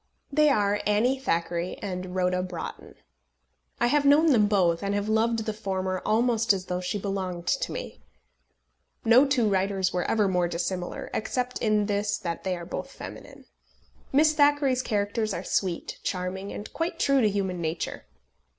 They are Annie Thackeray and Rhoda Broughton. I have known them both, and have loved the former almost as though she belonged to me. No two writers were ever more dissimilar, except in this that they are both feminine. Miss Thackeray's characters are sweet, charming, and quite true to human nature.